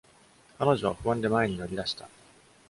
彼女は不安で前に乗り出した。